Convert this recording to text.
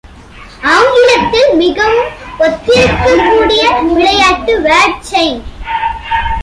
ஆங்கிலத்தில், மிகவும் ஒத்திருக்கக்கூடிய விளையாட்டு Word chain.